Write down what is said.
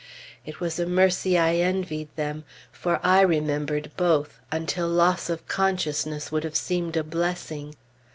It was a mercy I envied them; for I remembered both, until loss of consciousness would have seemed a blessing.